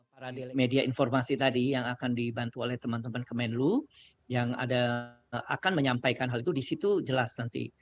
para media informasi tadi yang akan dibantu oleh teman teman kemenlu yang akan menyampaikan hal itu disitu jelas nanti